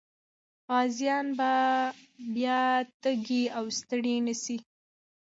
غازيان به بیا تږي او ستړي نه سي.